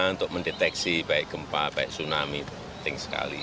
untuk mendeteksi baik gempa baik tsunami penting sekali